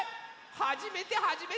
はじめてはじめて。